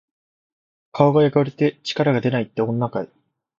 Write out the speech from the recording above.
顔が汚れて力がでないって、女かい！